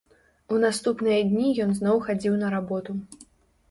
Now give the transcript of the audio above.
У наступныя дні ён зноў хадзіў на работу.